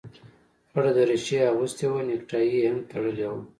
خړه دريشي يې اغوستې وه نيكټايي يې هم تړلې وه.